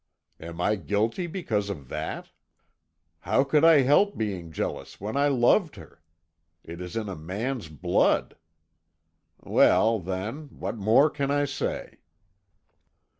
Am I guilty because of that? How could I help being jealous when I loved her? It is in a man's blood. Well, then, what more can I say?"